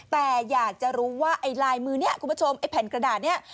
แต่อยากจะรู้ว่าไอ้ลายมือเนี่ยคุณผู้ชมไอ้แผ่นกระดาษนี้